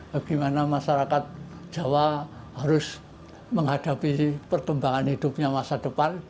bagaimana masyarakat jawa harus menghadapi perkembangan hidupnya masa depan